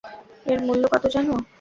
এর মূল্য কত জানো?